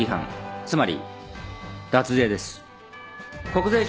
つまり脱税です。